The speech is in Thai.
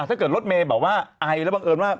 ถ้าเกิดรถเมย์แบบว่าไอแล้วบังเอิญว่า